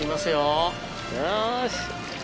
よし。